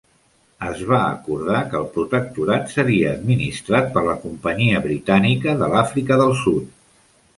Es va acordar que el protectorat seria administrat per la Companyia Britànica de l'Àfrica del Sud.